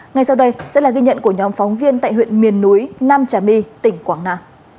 ngay sau đây sẽ là ghi nhận của nhóm phóng viên tại huyện miền núi nam trà my tỉnh quảng nam